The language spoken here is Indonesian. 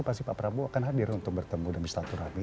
pasti pak prabowo akan hadir untuk bertemu dan bersilaturahmi